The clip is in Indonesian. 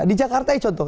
di jakarta itu contoh